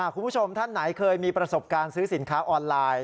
คุณผู้ชมท่านไหนเคยมีประสบการณ์ซื้อสินค้าออนไลน์